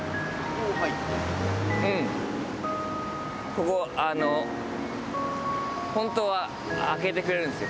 ここあの本当は開けてくれるんすよ